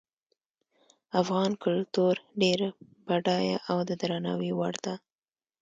افغان کلتور ډیر بډایه او د درناوي وړ ده